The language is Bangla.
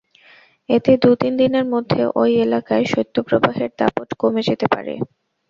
এতে দু তিন দিনের মধ্যে ওই এলাকায় শৈত্যপ্রবাহের দাপট কমে যেতে পারে।